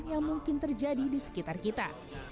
yang mungkin terjadi di sekitar kita